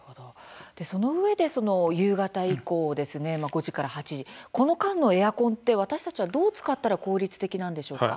そのうえでその夕方以降、５時から８時この間のエアコンって私たちはどう使ったら効率的なんでしょうか？